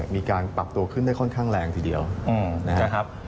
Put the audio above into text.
มีการปรับตัวขึ้นได้ค่อนข้างแรงทีเดียวนะครับ